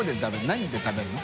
何で食べるの？